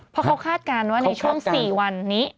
เพราะเขาคาดการณ์ว่าในช่วง๔วันนี้